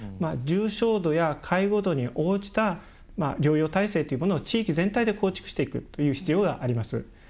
重症度や介護度に応じた療養体制というのを地域全体で構築していく必要があります。